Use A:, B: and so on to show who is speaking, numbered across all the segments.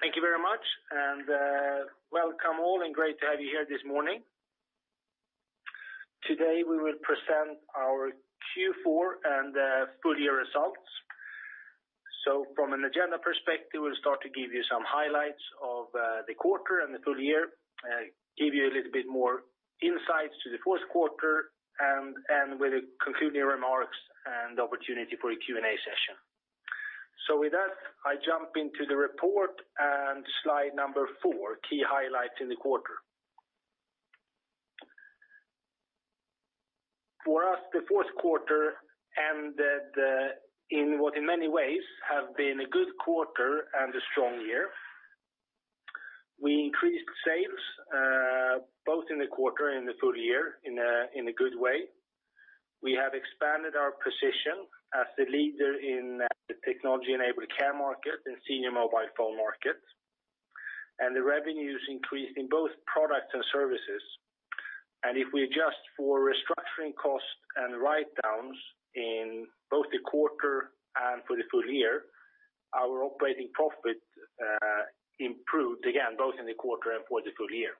A: Thank you very much, and welcome all, and great to have you here this morning. Today, we will present our Q4 and full-year results. From an agenda perspective, we'll start to give you some highlights of the quarter and the full year, give you a little bit more insights to the fourth quarter, and with concluding remarks and opportunity for a Q&A session. With that, I jump into the report and slide number four, key highlights in the quarter. For us, the fourth quarter ended in what in many ways have been a good quarter and a strong year. We increased sales both in the quarter and in the full year in a good way. We have expanded our position as the leader in the technology-enabled care market and senior mobile phone market. The revenues increased in both products and services. If we adjust for restructuring costs and write-downs in both the quarter and for the full year, our operating profit improved again, both in the quarter and for the full year.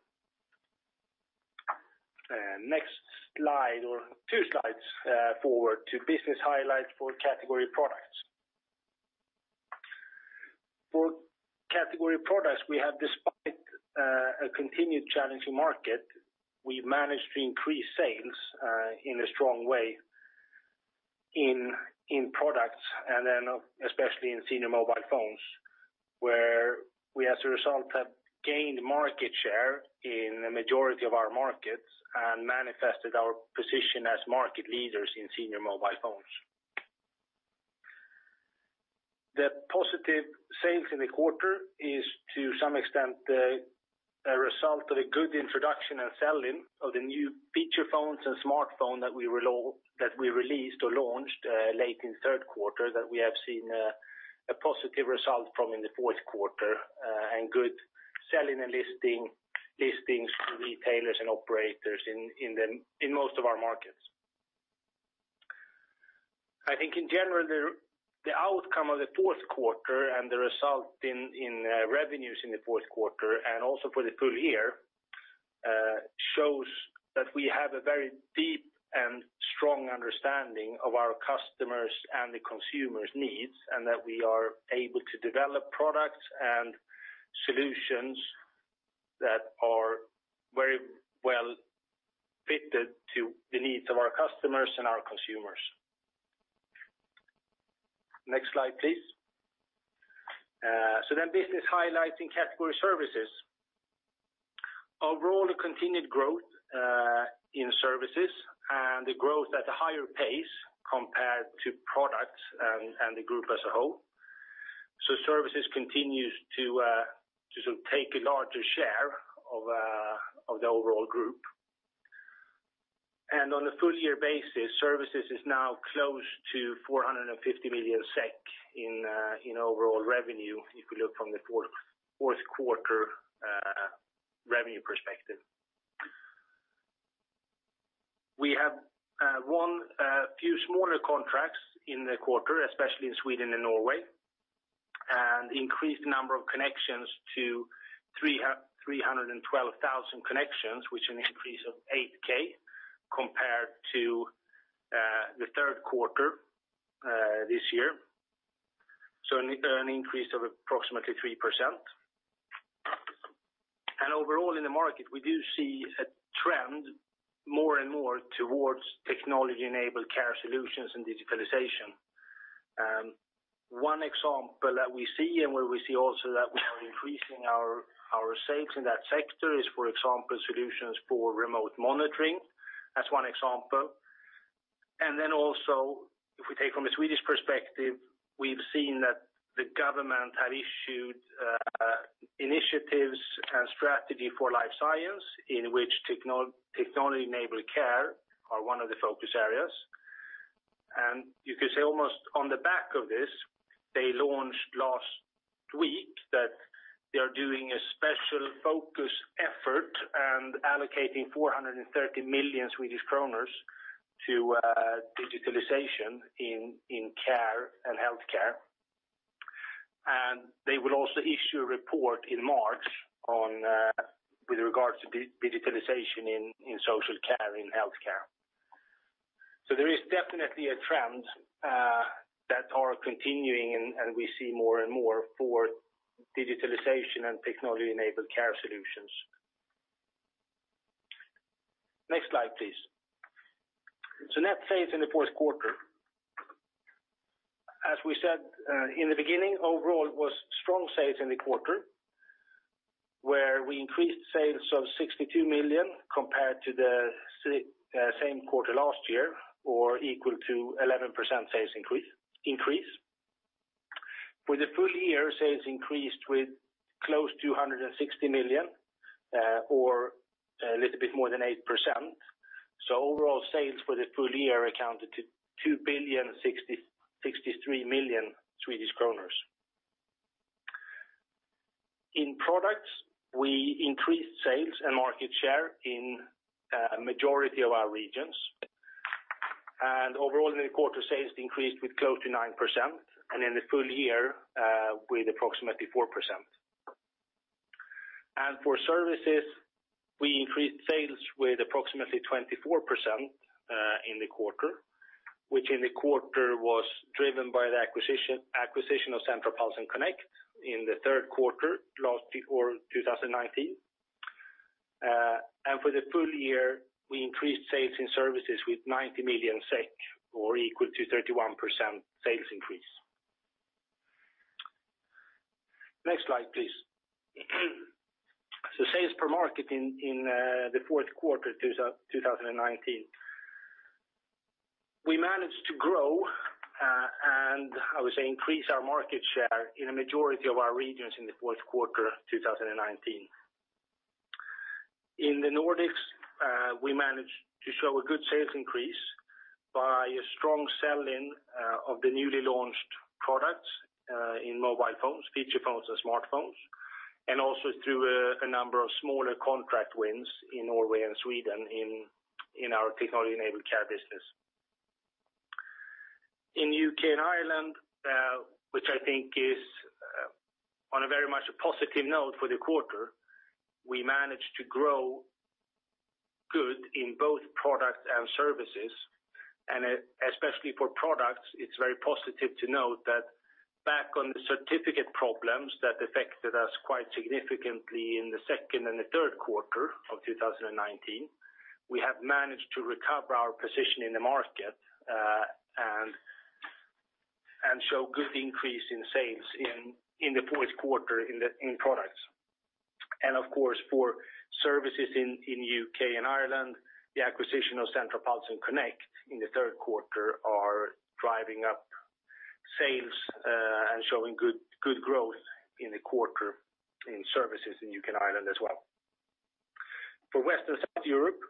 A: Next slide, or two slides forward to business highlights for category products. For category products, we have, despite a continued challenging market, we've managed to increase sales in a strong way in products and then especially in senior mobile phones, where we, as a result, have gained market share in the majority of our markets and manifested our position as market leaders in senior mobile phones. The positive sales in the quarter is, to some extent, a result of the good introduction and sell-in of the new feature phones and smartphone that we released or launched late in third quarter that we have seen a positive result from in the fourth quarter, and good selling and listings from retailers and operators in most of our markets. I think in general, the outcome of the fourth quarter and the result in revenues in the fourth quarter and also for the full year shows that we have a very deep and strong understanding of our customers' and the consumers' needs, and that we are able to develop products and solutions that are very well fitted to the needs of our customers and our consumers. Next slide, please. Business highlights in category services. Overall, a continued growth in services and a growth at a higher pace compared to products and the group as a whole. Services continues to take a larger share of the overall group. On a full-year basis, services is now close to 450 million SEK in overall revenue if you look from the fourth quarter revenue perspective. We have won a few smaller contracts in the quarter, especially in Sweden and Norway, and increased the number of connections to 312,000 connections, which is an increase of 8,000 connections compared to the third quarter this year. An increase of approximately 3%. Overall in the market, we do see a trend more and more towards Technology-Enabled Care solutions and digitalization. One example that we see and where we see also that we are increasing our sales in that sector is, for example, solutions for remote monitoring. That's one example. Also if we take from a Swedish perspective, we've seen that the government have issued initiatives and strategy for life science, in which Technology-Enabled Care are one of the focus areas. You could say almost on the back of this, they launched last week that they are doing a special focus effort and allocating 430 million Swedish kronor to digitalization in care and healthcare. They will also issue a report in March with regards to digitalization in social care, in healthcare. There is definitely a trend that are continuing, and we see more and more for digitalization and Technology-Enabled Care solutions. Next slide, please. Net sales in the fourth quarter. As we said in the beginning, overall, it was strong sales in the quarter, where we increased sales of 62 million compared to the same quarter last year or equal to 11% sales increase. For the full year, sales increased with close to 160 million or a little bit more than 8%. Overall sales for the full year accounted to SEK 2.063 billion. In products, we increased sales and market share in a majority of our regions. Overall in the quarter, sales increased with close to 9%, and in the full year with approximately 4%. For services, we increased sales with approximately 24% in the quarter, which in the quarter was driven by the acquisition of Centra Pulse and Connect in the third quarter last year or 2019. For the full year, we increased sales in services with 90 million SEK or equal to 31% sales increase. Next slide, please. Sales per market in the fourth quarter 2019. We managed to grow, and I would say increase our market share in a majority of our regions in the fourth quarter 2019. In the Nordics, we managed to show a good sales increase by a strong sell-in of the newly launched products in mobile phones, feature phones, and smartphones, and also through a number of smaller contract wins in Norway and Sweden in our Technology-Enabled Care business. In U.K. and Ireland, which I think is on a very much positive note for the quarter, we managed to grow good in both product and services. Especially for products, it's very positive to note that back on the certificate problems that affected us quite significantly in the second and the third quarter of 2019, we have managed to recover our position in the market, and show good increase in sales in the fourth quarter in products. Of course, for services in U.K. and Ireland, the acquisition of Centra Pulse and Connect in the third quarter are driving up sales, showing good growth in the quarter in services in U.K. and Ireland as well. Western South Europe,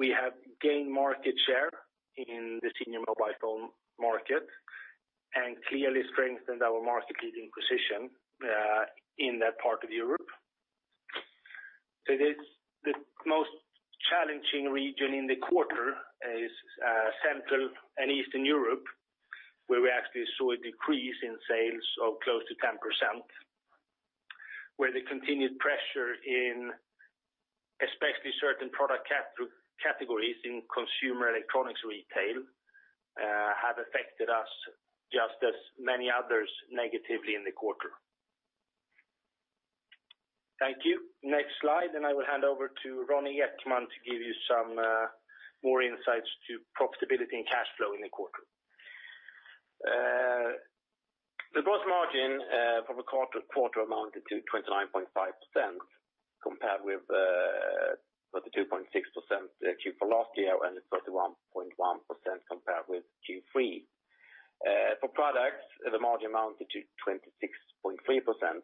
A: we have gained market share in the senior mobile phone market and clearly strengthened our market-leading position in that part of Europe. The most challenging region in the quarter is Central and Eastern Europe, where we actually saw a decrease in sales of close to 10%, where the continued pressure in especially certain product categories in consumer electronics retail, have affected us just as many others negatively in the quarter. Thank you. Next slide. I will hand over to Ronnie Ekman to give you some more insights to profitability and cash flow in the quarter.
B: The gross margin for the quarter amounted to 29.5%, compared with the 32.6% Q4 last year and the 31.1% compared with Q3. For products, the margin amounted to 26.3%.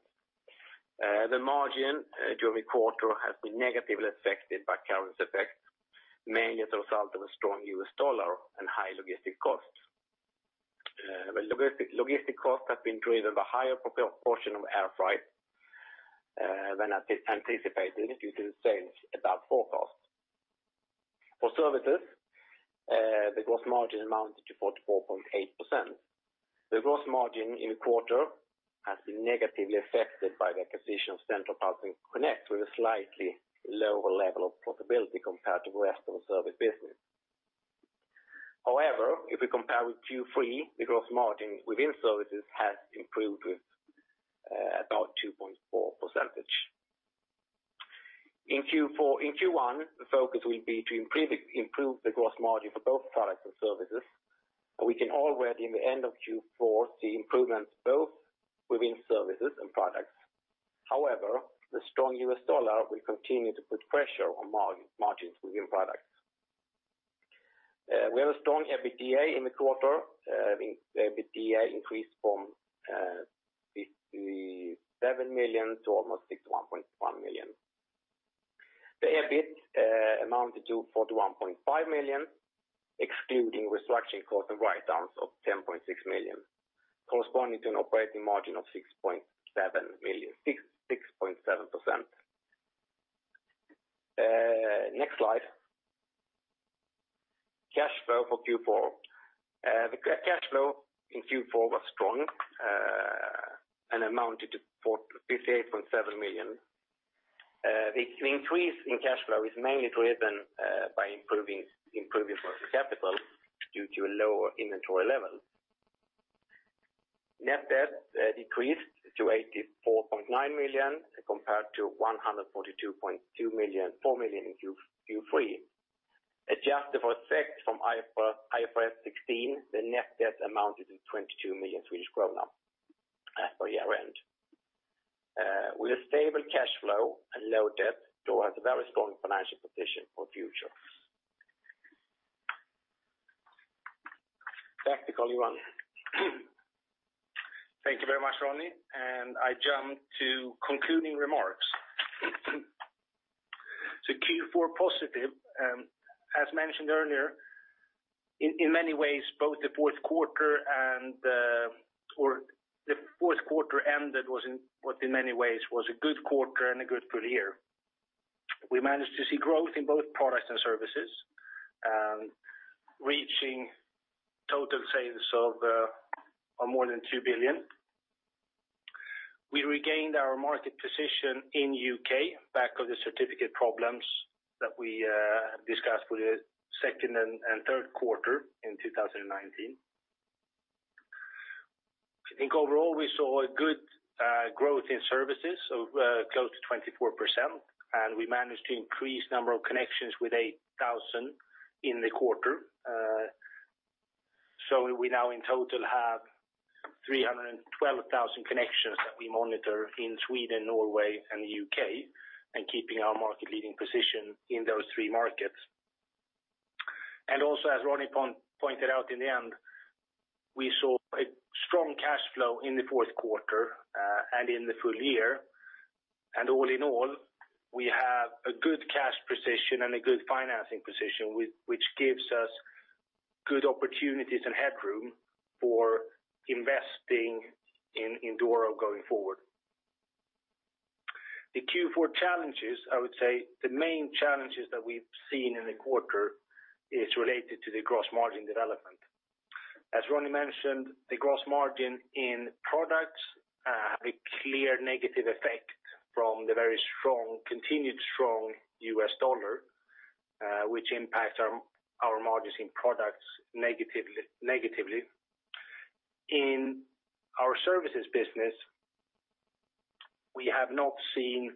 B: The margin during the quarter has been negatively affected by currency effects, mainly as a result of a strong US dollar and high logistic costs. Logistic costs have been driven by higher portion of air freight than anticipated due to sales above forecast. For services, the gross margin amounted to 44.8%. The gross margin in the quarter has been negatively affected by the acquisition of Centra Pulse and Connect with a slightly lower level of profitability compared to the rest of the service business. If we compare with Q3, the gross margin within services has improved with about 2.4 percentage points. In Q1, the focus will be to improve the gross margin for both products and services. We can already in the end of Q4 see improvements both within services and products. The strong US dollar will continue to put pressure on margins within products. We have a strong EBITDA in the quarter. The EBITDA increased from 57 million to almost 61.1 million. The EBIT amounted to 41.5 million, excluding restructuring costs and write-downs of 10.6 million, corresponding to an operating margin of 6.7%. Next slide. Cash flow for Q4. The cash flow in Q4 was strong, amounted to 58.7 million. The increase in cash flow is mainly driven by improving working capital due to a lower inventory level. Net debt decreased to 84.9 million compared to 142.4 million in Q3. Adjusted for effect from IFRS 16, the net debt amounted to SEK 22 million at the year-end. With a stable cash flow and low debt, Doro has a very strong financial position for future. Back to you, Carl-Johan Zetterberg Boudrie.
A: Thank you very much, Ronnie. I jump to concluding remarks. Q4 positive, as mentioned earlier, in many ways. Both the fourth quarter ended what in many ways was a good quarter and a good full year. We managed to see growth in both products and services, reaching total sales of more than 2 billion. We regained our market position in U.K. back from the certificate problems that we discussed for the second and third quarter in 2019. I think overall, we saw a good growth in services of close to 24%, and we managed to increase number of connections with 8,000 in the quarter. We now in total have 312,000 connections that we monitor in Sweden, Norway, and the U.K., and keeping our market leading position in those three markets. Also, as Ronnie pointed out in the end, we saw a strong cash flow in the fourth quarter, and in the full year. All in all, we have a good cash position and a good financing position, which gives us good opportunities and headroom for investing in Doro going forward. The Q4 challenges, I would say, the main challenges that we've seen in the quarter is related to the gross margin development. As Ronnie mentioned, the gross margin in products have a clear negative effect from the very continued strong US dollar, which impacts our margins in products negatively. In our services business, we have not seen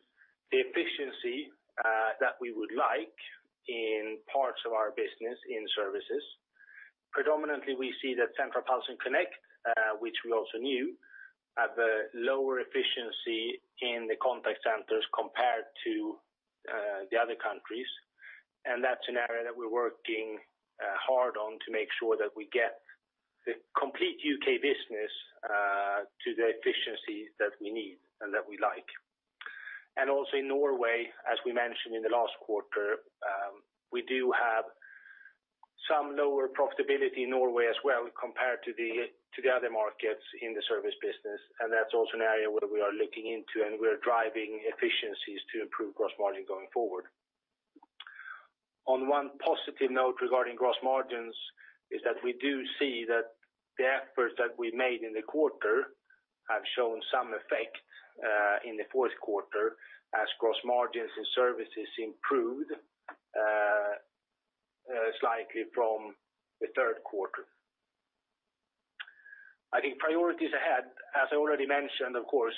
A: the efficiency that we would like in parts of our business in services. Predominantly, we see that Centra Pulse and Connect, which we also knew, have a lower efficiency in the contact centers compared to the other countries. That's an area that we're working hard on to make sure that we get the complete U.K. business to the efficiency that we need and that we like. Also in Norway, as we mentioned in the last quarter, we do have some lower profitability in Norway as well compared to the other markets in the service business, and that's also an area where we are looking into, and we are driving efficiencies to improve gross margin going forward. On one positive note regarding gross margins is that we do see that the efforts that we made in the quarter have shown some effect in the fourth quarter, as gross margins in services improved slightly from the third quarter. I think priorities ahead, as I already mentioned, of course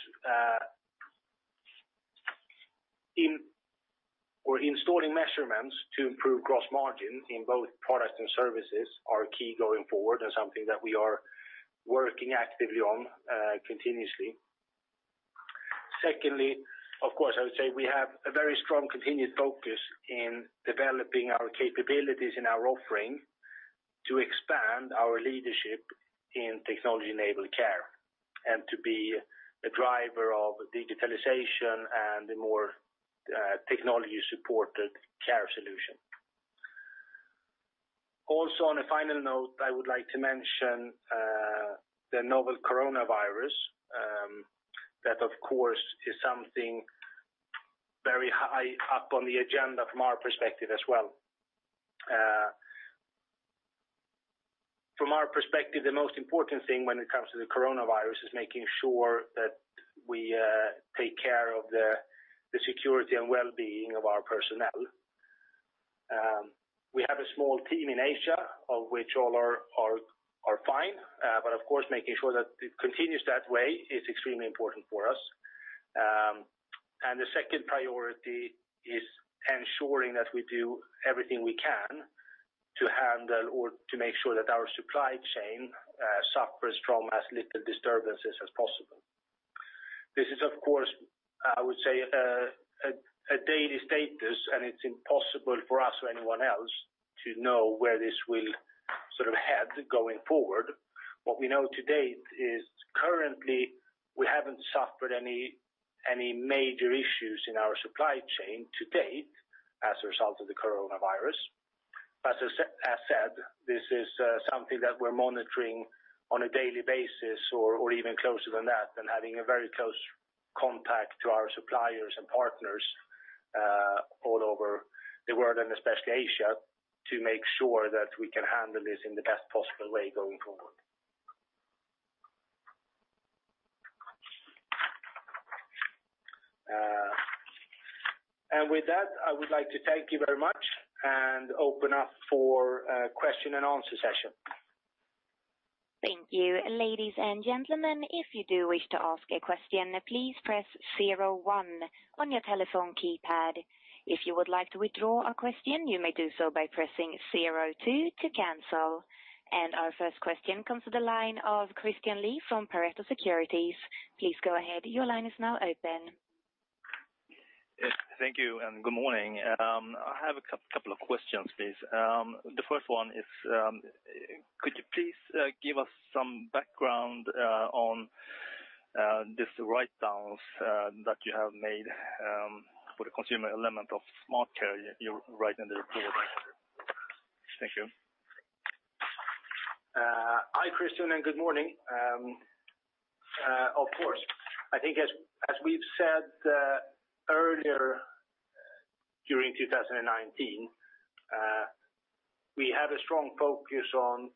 A: we're installing measurements to improve gross margin in both products and services are key going forward and something that we are working actively on continuously. Secondly, of course, I would say we have a very strong continued focus in developing our capabilities and our offering to expand our leadership in Technology-Enabled Care, and to be a driver of digitalization and a more technology-supported care solution. Also, on a final note, I would like to mention the novel coronavirus, that of course is something very high up on the agenda from our perspective as well. From our perspective, the most important thing when it comes to the coronavirus is making sure that we take care of the security and well-being of our personnel. We have a small team in Asia, all of whom are fine. Of course, making sure that it continues that way is extremely important for us. The second priority is ensuring that we do everything we can to handle or to make sure that our supply chain suffers from as little disturbances as possible. This is, of course, I would say, a daily status, and it's impossible for us or anyone else to know where this will head going forward. What we know to date is currently, we haven't suffered any major issues in our supply chain to date as a result of the coronavirus. As said, this is something that we're monitoring on a daily basis or even closer than that, and having a very close contact to our suppliers and partners all over the world, and especially Asia, to make sure that we can handle this in the best possible way going forward. With that, I would like to thank you very much and open up for a question and answer session.
C: Thank you. Ladies and gentlemen, if you do wish to ask a question, please press zero one on your telephone keypad. If you would like to withdraw a question, you may do so by pressing zero two to cancel. Our first question comes to the line of Christian Lee from Pareto Securities. Please go ahead. Your line is now open.
D: Yes. Thank you, and good morning. I have a couple of questions, please. The first one is, could you please give us some background on these write-downs that you have made for the consumer element of SmartCare you write in the report? Thank you.
A: Hi, Christian. Good morning. Of course. I think as we've said earlier, during 2019, we have a strong focus on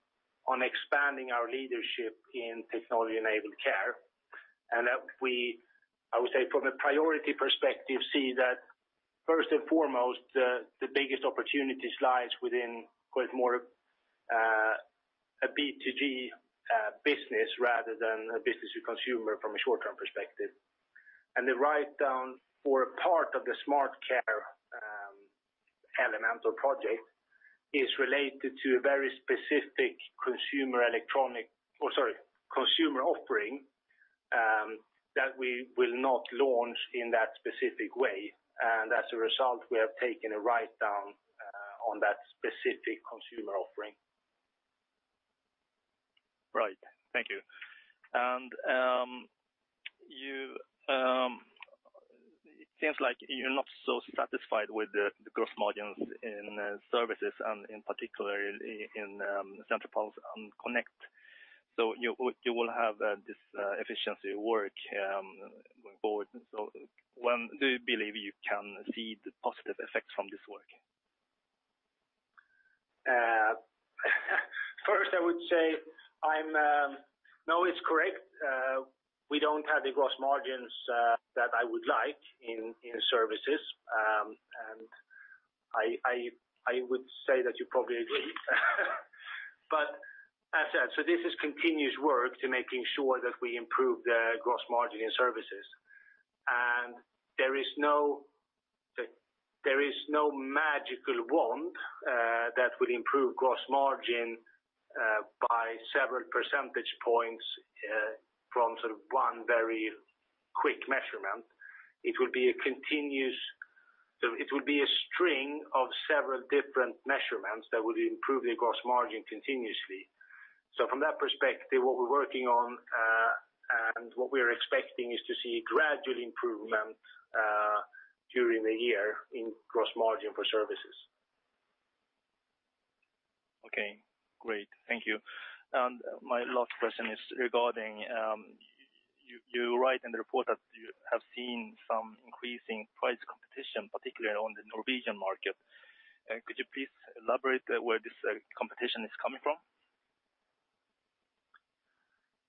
A: expanding our leadership in technology-enabled care. That we, I would say from a priority perspective, see that first and foremost, the biggest opportunity lies within more a B2G business rather than a business to consumer from a short-term perspective. The write-down for a part of the smart care elemental project is related to a very specific consumer electronic, or sorry, consumer offering, that we will not launch in that specific way. As a result, we have taken a write-down on that specific consumer offering.
D: Right. Thank you. It seems like you're not so satisfied with the gross margins in services and in particular in Centra Pulse and Connect. You will have this efficiency work going forward. When do you believe you can see the positive effects from this work?
A: First, I would say, no, it's correct. We don't have the gross margins that I would like in services. I would say that you probably agree. As said, so this is continuous work to making sure that we improve the gross margin in services. There is no magical wand that would improve gross margin by several percentage points from one very quick measurement. It would be a string of several different measurements that would improve the gross margin continuously. From that perspective, what we're working on, and what we're expecting is to see gradual improvement during the year in gross margin for services.
D: Okay. Great. Thank you. My last question is regarding, you write in the report that you have seen some increasing price competition, particularly on the Norwegian market. Could you please elaborate where this competition is coming from?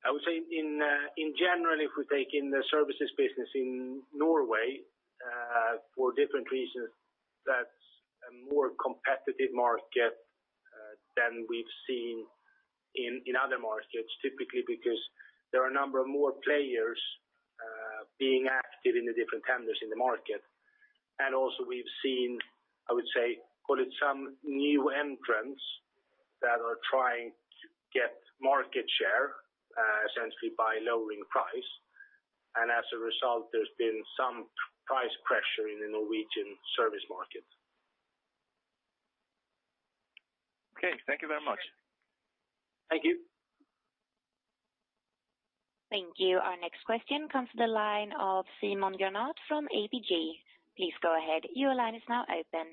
A: I would say, in general, if we take in the services business in Norway, for different reasons, that's a more competitive market than we've seen in other markets. Typically because there are a number of more players being active in the different tenders in the market. Also we've seen, I would say, call it some new entrants that are trying to get market share, essentially by lowering price. As a result, there's been some price pressure in the Norwegian service market.
D: Okay. Thank you very much.
A: Thank you.
C: Thank you. Our next question comes to the line of Simon Granath from ABG Sundal Collier. Please go ahead. Your line is now open.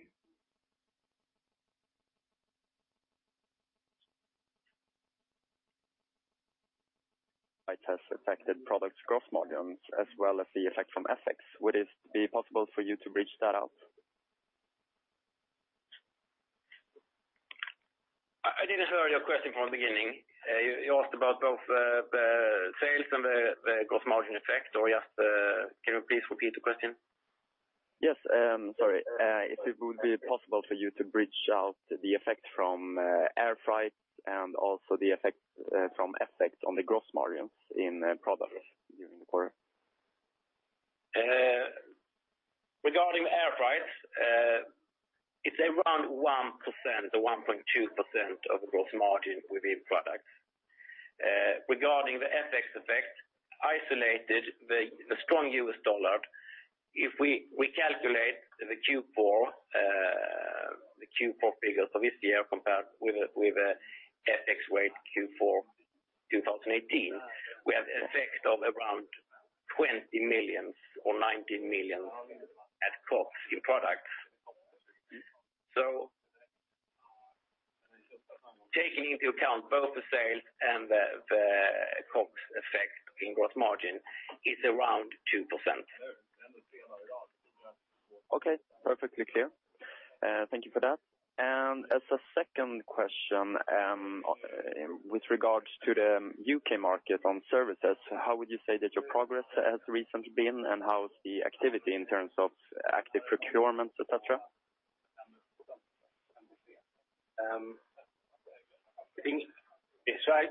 E: It has affected product gross margins as well as the effect from FX. Would it be possible for you to bridge that out?
A: I didn't hear your question from the beginning. You asked about both the sales and the gross margin effect, or can you please repeat the question?
E: Yes. Sorry. If it would be possible for you to bridge out the effect from air freight and also the effect from FX on the gross margins in products during the quarter.
B: Regarding air freights, it's around 1%-1.2% of gross margin within products. Regarding the FX effect, isolated the strong US dollar. If we calculate the Q4 figures of this year compared with FX rate Q4 2018, we have an effect of around 20 million or 19 million at COGS in products. Taking into account both the sales and the COGS effect in gross margin is around 2%.
E: Okay. Perfectly clear. Thank you for that. As a second question, with regards to the U.K. market on services, how would you say that your progress has recently been, and how is the activity in terms of active procurements, et cetera?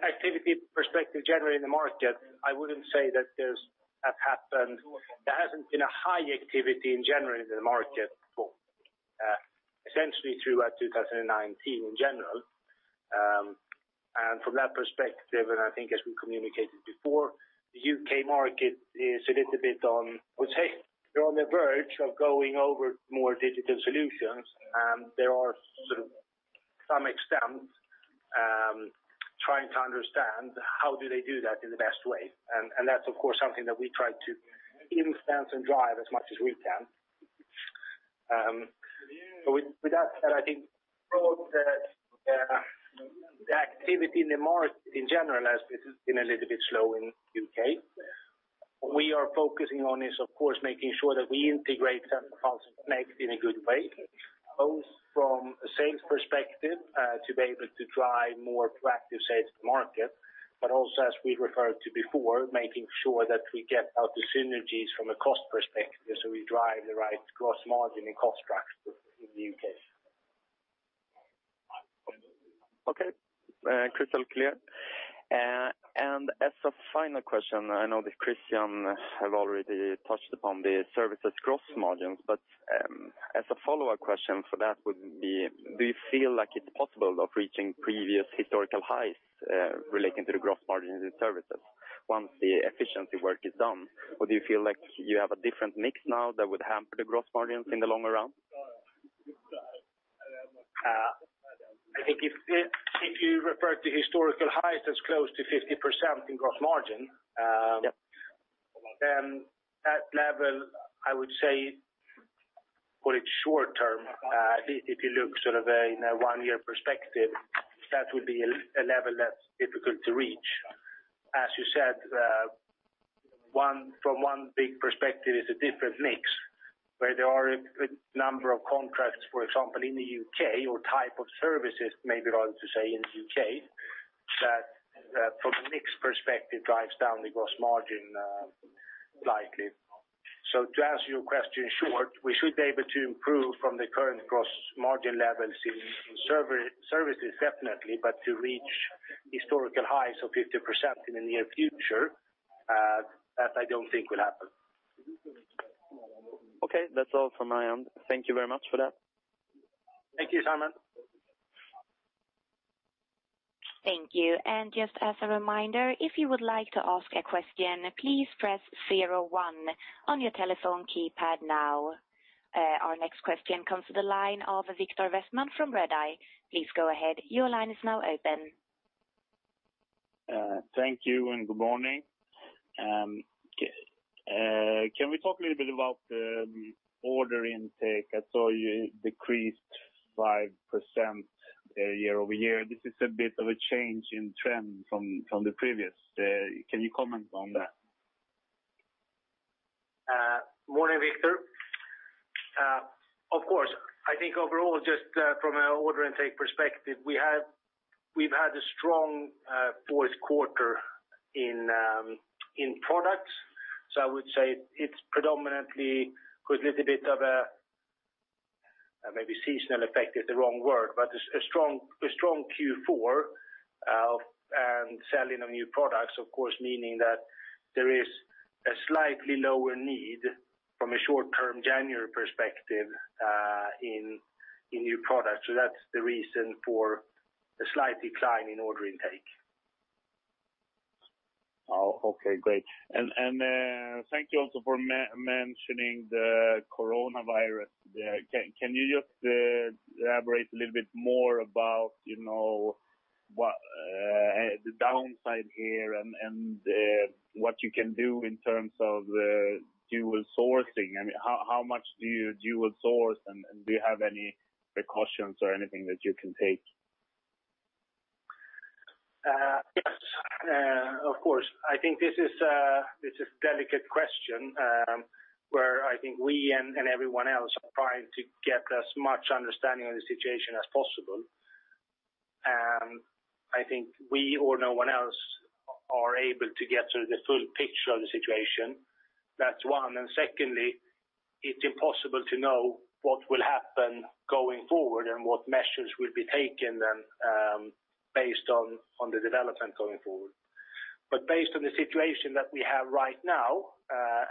A: Activity perspective generally in the market, I wouldn't say that there hasn't been a high activity in general in the market for essentially throughout 2019 in general. From that perspective, and I think as we communicated before, the U.K. market is a little bit on, I would say, they're on the verge of going over more digital solutions. There are some extents, trying to understand how do they do that in the best way. That's of course something that we try to influence and drive as much as we can. With that said, I think that the activity in the market in general has been a little bit slow in U.K. What we are focusing on is, of course, making sure that we integrate Centra Pulse and Connect in a good way, both from a sales perspective, to be able to drive more proactive sales to market, but also, as we referred to before, making sure that we get out the synergies from a cost perspective, so we drive the right gross margin and cost structure in the U.K.
E: Okay. Crystal clear. As a final question, I know that Christian have already touched upon the services gross margins. As a follow-up question for that would be, do you feel like it is possible of reaching previous historical highs relating to the gross margins in services once the efficiency work is done, or do you feel like you have a different mix now that would hamper the gross margins in the long run?
A: I think if you refer to historical highs as close to 50% in gross margin-
E: Yep
A: That level, I would say, call it short-term, if you look sort of in a one-year perspective, that would be a level that's difficult to reach. As you said, from one big perspective, it's a different mix, where there are a good number of contracts, for example, in the U.K. or type of services, maybe rather to say in the U.K., that from a mix perspective drives down the gross margin likely. To answer your question short, we should be able to improve from the current gross margin levels in services definitely, but to reach historical highs of 50% in the near future, that I don't think will happen.
E: Okay. That's all from my end. Thank you very much for that.
A: Thank you, Simon.
C: Thank you. Just as a reminder, if you would like to ask a question, please press zero one on your telephone keypad now. Our next question comes to the line of Victor Westman from Redeye. Please go ahead. Your line is now open.
F: Thank you, and good morning. Can we talk a little bit about the order intake? I saw you decreased 5% year-over-year. This is a bit of a change in trend from the previous. Can you comment on that?
A: Morning, Victor. Of course. I think overall, just from an order intake perspective, we've had a strong fourth quarter in products. I would say it's predominantly with a little bit of a, maybe seasonal effect is the wrong word, but a strong Q4, and selling of new products, of course, meaning that there is a slightly lower need from a short-term January perspective in new products. That's the reason for a slight decline in order intake.
F: Okay, great. Thank you also for mentioning the coronavirus there. Can you just elaborate a little bit more about the downside here and what you can do in terms of dual sourcing? How much do you dual source, and do you have any precautions or anything that you can take?
A: Yes, of course. I think this is a delicate question, where I think we and everyone else are trying to get as much understanding of the situation as possible. I think we or no one else are able to get the full picture of the situation. That's one. Secondly, it's impossible to know what will happen going forward and what measures will be taken based on the development going forward. Based on the situation that we have right now,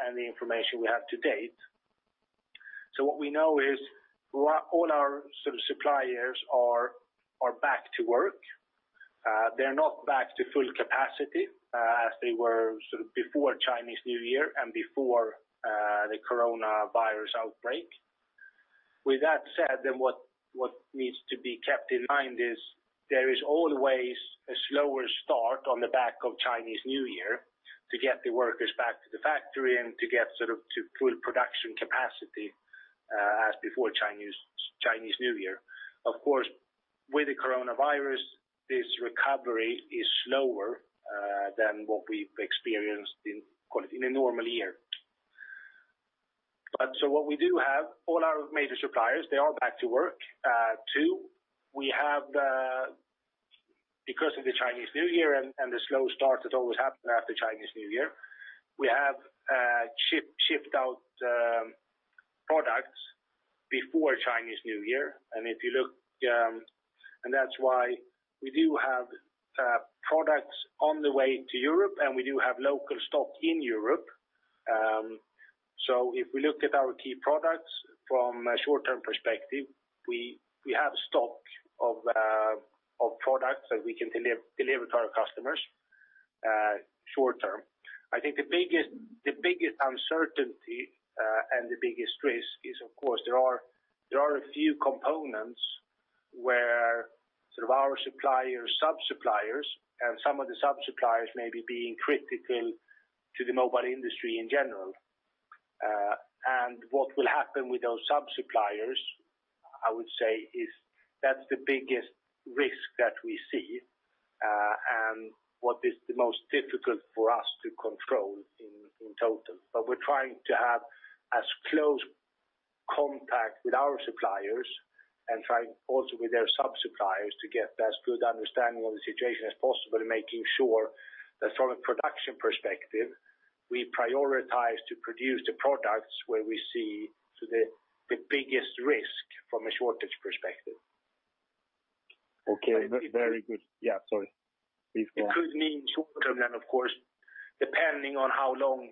A: and the information we have to date, what we know is all our suppliers are back to work. They're not back to full capacity as they were before Chinese New Year and before the coronavirus outbreak. With that said, then what needs to be kept in mind is there is always a slower start on the back of Chinese New Year to get the workers back to the factory and to get to full production capacity as before Chinese New Year. Of course, with the coronavirus, this recovery is slower than what we've experienced in a normal year. What we do have, all our major suppliers, they are back to work. Two, because of the Chinese New Year and the slow start that always happen after Chinese New Year, we have shipped out products before Chinese New Year. That's why we do have products on the way to Europe, and we do have local stock in Europe. If we look at our key products from a short-term perspective, we have stock of products that we can deliver to our customers short-term. I think the biggest uncertainty and the biggest risk is, of course, there are a few components where our supplier's sub-suppliers, and some of the sub-suppliers may be being critical to the mobile industry in general. What will happen with those sub-suppliers, I would say, is that's the biggest risk that we see, and what is the most difficult for us to control in total. We're trying to have as close contact with our suppliers and trying also with their sub-suppliers to get as good understanding of the situation as possible, and making sure that from a production perspective, we prioritize to produce the products where we see the biggest risk from a shortage perspective.
F: Okay. Very good. Yeah, sorry. Please go on.
A: It could mean short-term, and of course, depending on how long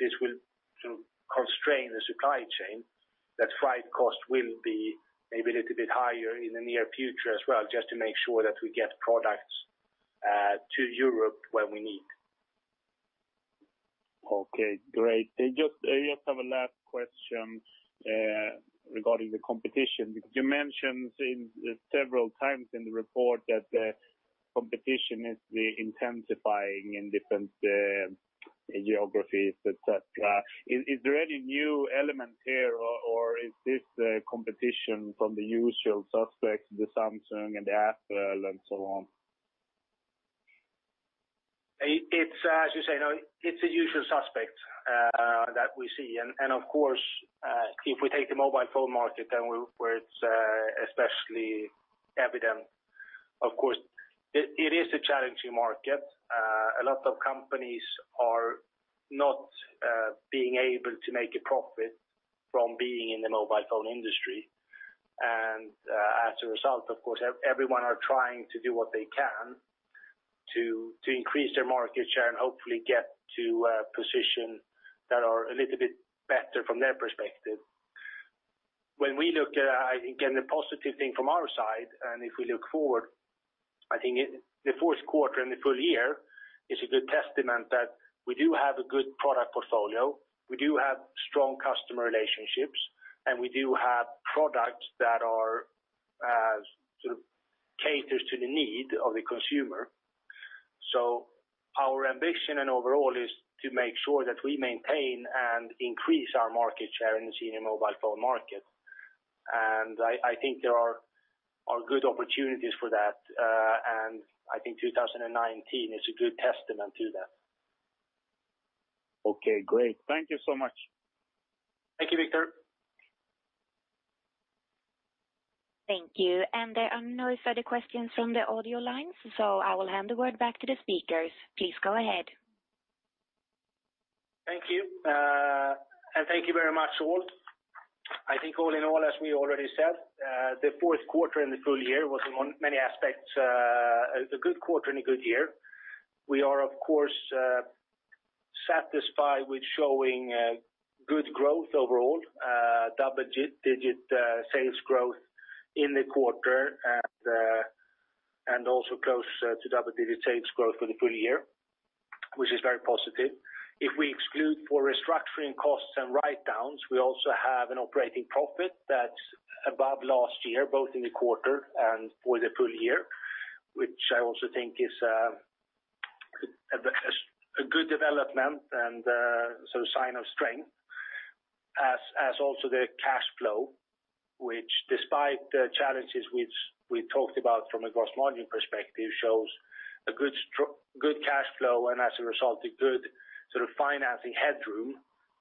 A: this will constrain the supply chain, that freight cost will be maybe a little bit higher in the near future as well, just to make sure that we get products to Europe when we need.
F: Great. I just have a last question regarding the competition, because you mentioned several times in the report that the competition is intensifying in different geographies, et cetera. Is there any new element here or is this the competition from the usual suspects, the Samsung and the Apple and so on?
A: It's, as you say, no, it's a usual suspect that we see. Of course, if we take the mobile phone market then where it's especially evident, of course, it is a challenging market. A lot of companies are not being able to make a profit from being in the mobile phone industry. As a result, of course, everyone are trying to do what they can to increase their market share and hopefully get to a position that are a little bit better from their perspective. When we look at, again, the positive thing from our side, and if we look forward, I think the fourth quarter and the full year is a good testament that we do have a good product portfolio, we do have strong customer relationships, and we do have products that caters to the need of the consumer. Our ambition and overall is to make sure that we maintain and increase our market share in the mobile phone market. I think there are good opportunities for that. I think 2019 is a good testament to that.
F: Okay, great. Thank you so much.
A: Thank you, Victor.
C: Thank you. There are no further questions from the audio lines. I will hand the word back to the speakers. Please go ahead.
A: Thank you. Thank you very much, all. I think all in all, as we already said, the fourth quarter and the full year was in many aspects, a good quarter and a good year. We are, of course, satisfied with showing good growth overall, double-digit sales growth in the quarter and also close to double-digit sales growth for the full year, which is very positive. If we exclude for restructuring costs and write-downs, we also have an operating profit that's above last year, both in the quarter and for the full year, which I also think is a good development and sign of strength as also the cash flow, which despite the challenges which we talked about from a gross margin perspective, shows a good cash flow and as a result, a good sort of financing headroom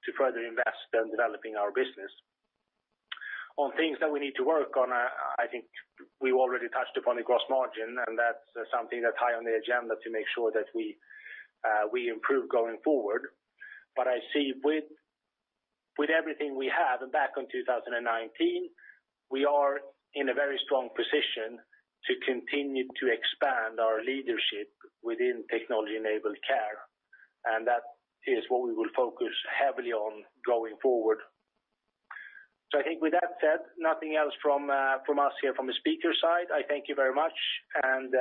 A: to further invest in developing our business. On things that we need to work on, I think we've already touched upon the gross margin, that's something that's high on the agenda to make sure that we improve going forward. I see with everything we have back in 2019, we are in a very strong position to continue to expand our leadership within Technology-Enabled Care, that is what we will focus heavily on going forward. I think with that said, nothing else from us here from the speaker side. I thank you very much and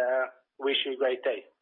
A: wish you a great day.